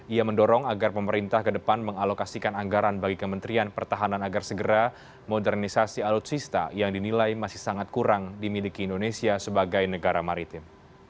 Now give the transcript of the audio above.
ia mendorong agar pemerintah ke depan mengalokasikan anggaran bagi kementerian pertahanan agar segera modernisasi alutsista yang dinilai masih sangat kurang dimiliki indonesia sebagai negara maritim